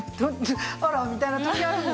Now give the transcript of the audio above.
あらみたいな時あるもん。